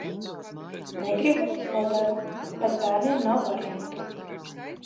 Negribu, nedaru. Bet bērniem nav variantu.